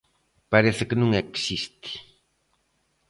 Parece que non existe.